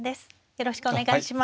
よろしくお願いします。